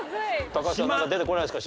高橋さんなんか出てこないですか？